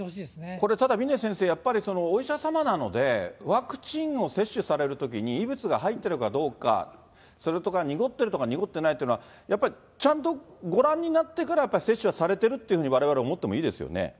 これ、ただ、峰先生、やっぱりお医者様なので、ワクチンを接種されるときに異物が入ってるかどうか、それとか濁ってるとか濁ってないというのは、やっぱりちゃんとご覧になってから、やっぱり接種はされてるって、われわれ思ってもいいですよね。